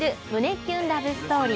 キュンラブストーリー。